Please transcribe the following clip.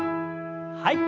はい。